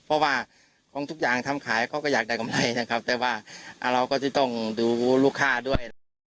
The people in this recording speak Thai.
เพราะว่าของทุกอย่างทำขายเขาก็อยากได้กำไรนะครับแต่ว่าเราก็จะต้องดูลูกค้าด้วยนะครับ